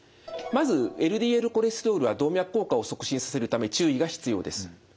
まずＬＤＬコレステロールは動脈硬化を促進させるため注意が必要です。